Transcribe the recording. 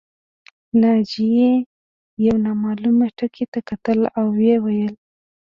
ناجیې یو نامعلوم ټکي ته کتل او ویې ویل